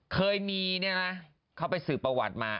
เคยมีเข้าไปสื่อประวัติมา